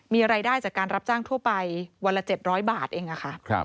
มีรายได้จากการรับจ้างทั่วไปวันละ๗๐๐บาทเองค่ะ